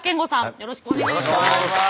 よろしくお願いします。